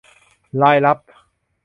รายรับ